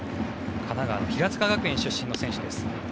神奈川の平塚学園出身の選手です。